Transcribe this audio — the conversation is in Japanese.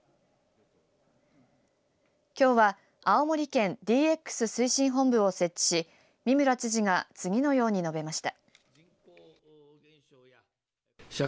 きょうは青森県ＤＸ推進本部を設置し三村知事が次のように述べました。